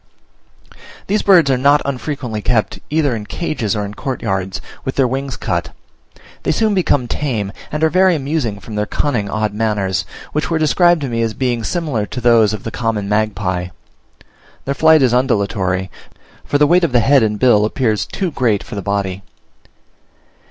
These birds are not unfrequently kept either in cages or in courtyards, with their wings cut. They soon become tame, and are very amusing from their cunning odd manners, which were described to me as being similar to those of the common magpie. Their flight is undulatory, for the weight of the head and bill appears too great for the body.